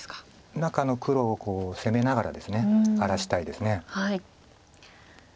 中の黒を攻めながらですね荒らしたいです。